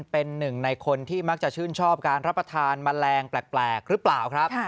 เป็นหนึ่งในคนที่มักจะชื่นชอบการรับประทานแมลงแปลกหรือเปล่าครับ